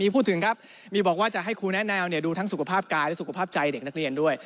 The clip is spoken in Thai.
พูดถึงครับมีบอกว่าจะให้ครูแนะแนวดูทั้งสุขภาพกายและสุขภาพใจเด็กนักเรียนด้วย